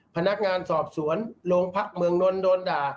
พนักงานสอบสวนโรงพักเมืองนนท์โดนด่า